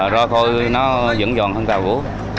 rồi thôi nó vẫn giòn hơn tàu bỏ gỗ